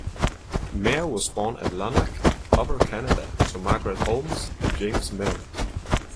Mair was born at Lanark, Upper Canada, to Margaret Holmes and James Mair.